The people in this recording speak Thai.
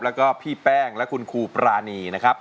แล้วก็พี่แป้งและคุณครูปรานีนะครับ